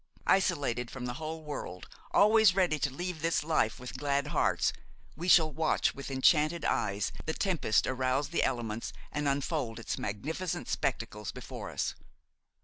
Isolated from the whole world, always ready to leave this life with glad hearts, we shall watch with enchanted eyes the tempest arouse the elements and unfold its magnificent spectacles before us.